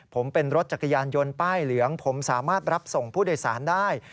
ผมเป็นรถจักรยานยนต์ป้ายเหลืองผมสามารถรับส่งผู้โดยสารได้